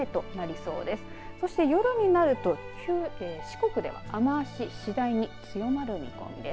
そして、夜になると四国では、雨足次第に強まる見込みです。